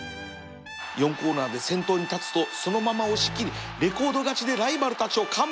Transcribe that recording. ４コーナーで先頭に立つとそのまま押し切りレコード勝ちでライバルたちを完封